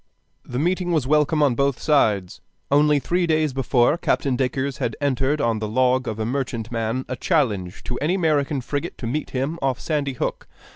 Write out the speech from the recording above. The meeting was welcome on both sides. Only three days before, Captain Dacres had entered on the log of a merchantman a challenge to any American frigate to meet him off Sandy Hook.